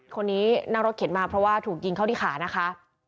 คนนี้นั่งรถเข็นมาเพราะว่าถูกยิงเข้าที่ขานะคะ